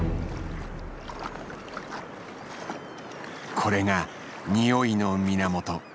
これがにおいの源。